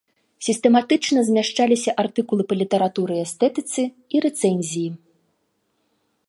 Сістэматычна змяшчаліся артыкулы па літаратуры і эстэтыцы і рэцэнзіі.